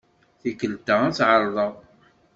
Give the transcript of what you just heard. Tikkelt-a ad t-ɛerḍeɣ.